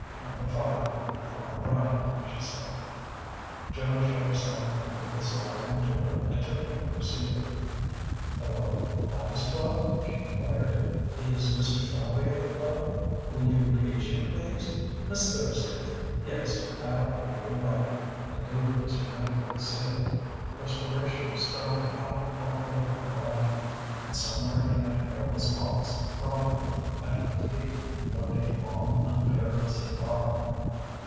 "Numba five One Bryant," she said. Joan shut herself in with the sliding door and took up the receiver. "Hello Lambs' Club?" she enquired.... "Is Mr. Fowey in the club?... Will you page him, please.... Miss Thursday.... Yes, I'll hold the wire." The booth was hermetically sealed. Perspiration was starting out all over her body. And somewhere in that airless box, probably at her feet, lurked a long unburied cigar.